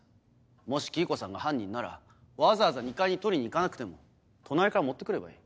もし黄以子さんが犯人ならわざわざ２階に取りに行かなくても隣から持って来ればいい。